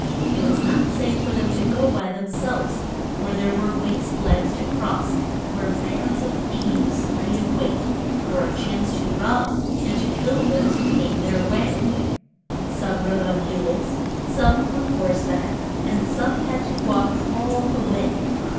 It was not safe for them to go by them selves, for there were waste lands to cross where bands of thieves lay in wait for a chance to rob and to kill those who came their way. [Illustration: NAZ A RETH.] Some rode on mules, some on horse back, and some had to walk all the way.